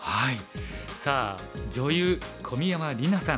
さあ女優小宮山莉渚さん